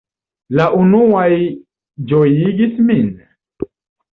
La unuaj ĝojigis min.